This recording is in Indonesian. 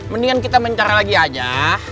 mendingan kita mencari lagi aja